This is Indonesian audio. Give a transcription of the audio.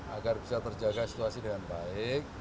agar bisa terjaga situasi dengan baik